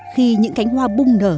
khi những cánh hoa bung nở